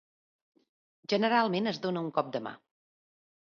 Generalment es dona un cop de mà.